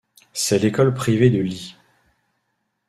C'est l'école privée de Lih.